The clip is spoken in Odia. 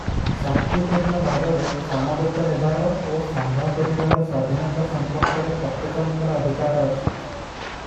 ଶାନ୍ତିପୂର୍ଣ୍ଣ ଭାବରେ ସମବେତ ହେବାର ଓ ସଂଘ ଗଢ଼ିବାର ସ୍ୱାଧୀନତା ସମ୍ପର୍କରେ ପ୍ରତ୍ୟେକଙ୍କର ଅଧିକାର ଅଛି ।